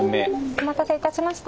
お待たせいたしました。